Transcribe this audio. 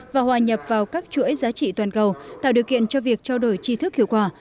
và hòa nhập vào các chuỗi giá trị toàn cầu tạo điều kiện cho việc trao đổi tri thức hiệu quả